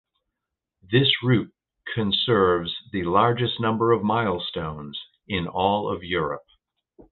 This route conserves the largest number of milestones in all of Europe.